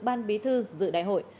ban bí thư dự đại hội